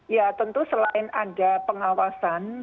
ya tentu selain ada pengawasan